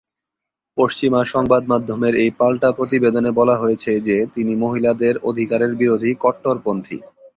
পশ্চিমা সংবাদমাধ্যমের এই পাল্টা প্রতিবেদনে বলা হয়েছে যে তিনি মহিলাদের অধিকারের বিরোধী কট্টরপন্থী।